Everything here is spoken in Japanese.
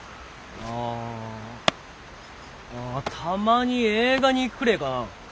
あたまに映画に行くくれえかな。